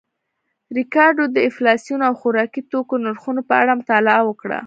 ریکارډو د انفلاسیون او خوراکي توکو نرخونو په اړه مطالعه وکړه